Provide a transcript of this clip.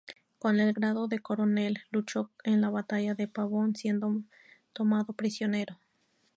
Con el grado de coronel luchó en la batalla de Pavón, siendo tomado prisionero.